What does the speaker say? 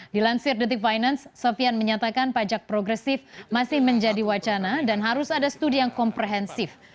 dilansir detik finance sofian menyatakan pajak progresif masih menjadi wacana dan harus ada studi yang komprehensif